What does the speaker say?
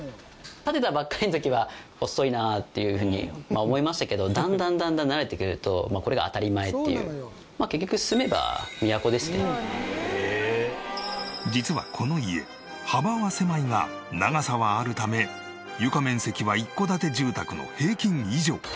建てたばっかりの時は細いなあっていうふうに思いましたけどだんだんだんだん結局実はこの家幅は狭いが長さはあるため床面積は一戸建て住宅の平均以上。